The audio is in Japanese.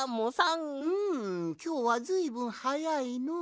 んんきょうはずいぶんはやいのう。